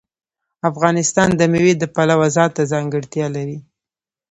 افغانستان د مېوې د پلوه ځانته ځانګړتیا لري.